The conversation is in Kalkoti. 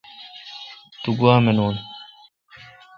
تو گوا منون